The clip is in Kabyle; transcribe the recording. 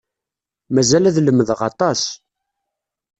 Mazal ad lemdeɣ aṭas.